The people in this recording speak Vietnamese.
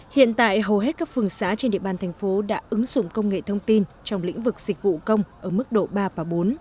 hiện tại hầu hết các phường xã trên địa bàn thành phố đã ứng dụng công nghệ thông tin trong lĩnh vực dịch vụ công ở mức độ ba và bốn